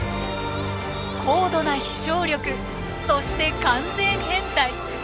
高度な飛翔力そして完全変態。